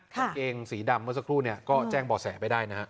กางเกงสีดำเมื่อสักครู่เนี่ยก็แจ้งบ่อแสไปได้นะฮะ